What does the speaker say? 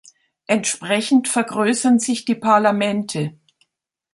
Entsprechend vergrößern sich die Parlamente.